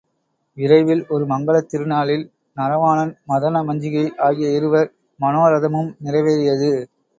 விரைவில் ஒரு மங்கலத் திருநாளில் நரவாணன் மதன மஞ்சிகை ஆகிய இருவர் மனோரதமும் நிறைவேறியது.